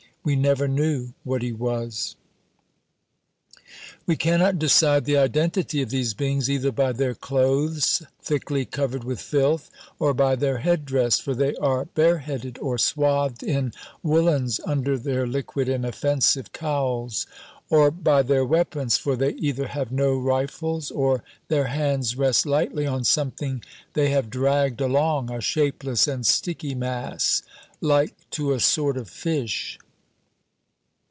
We never knew what he was. We cannot decide the identity of these beings, either by their clothes, thickly covered with filth, or by their head dress, for they are bareheaded or swathed in woolens under their liquid and offensive cowls; or by their weapons, for they either have no rifles or their hands rest lightly on something they have dragged along, a shapeless and sticky mass, like to a sort of fish.